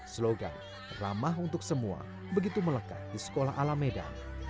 slogan ramah untuk semua begitu melekat di sekolah alameda